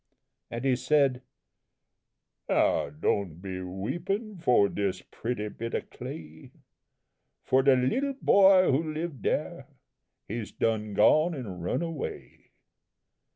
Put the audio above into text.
And he said: "Now, don' be weepin' for dis pretty bit o' clay For de little boy who lived dere, he's done gone an' run away!